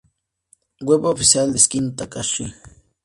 Web oficial de Shin Takahashi